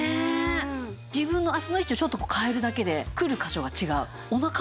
自分の足の位置をちょっと変えるだけでくる箇所が違う。